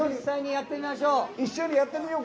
一緒にやってみようか。